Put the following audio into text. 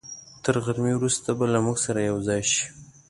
تر غرمې وروسته به له موږ سره یوځای شي.